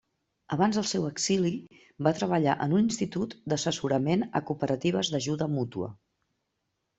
Abans del seu exili, va treballar en un institut d'assessorament a Cooperatives d'Ajuda Mútua.